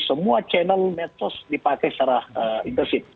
semua channel medsos dipakai secara intensif